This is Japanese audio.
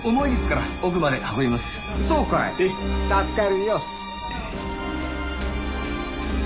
助かるよ。